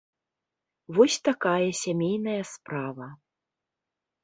Вось такая сямейная справа.